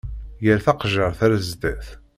Ger taqejjiṛt ar zdat!